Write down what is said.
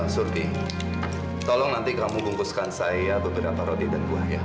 surki tolong nanti kamu bungkuskan saya beberapa roti dan buah ya